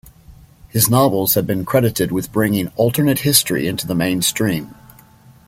His novels have been credited with bringing alternate history into the mainstream.